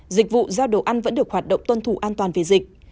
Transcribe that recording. dịch vụ giao đồ ăn vẫn được hoạt động tuân thủ an toàn về dịch